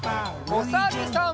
おさるさん。